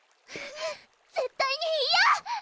絶対に嫌！